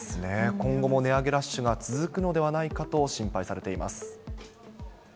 今後も値上げラッシュが続くのではないかと心配されています。